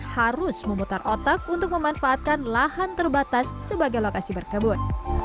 harus memutar otak untuk memanfaatkan lahan terbatas sebagai lokasi berkebun